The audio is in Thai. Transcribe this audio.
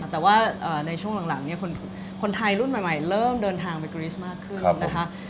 แต่ว่าในช่วงหลังคนไทยรุ่นใหม่เริ่มเดินทางไปกรีสมากขึ้นนะคะ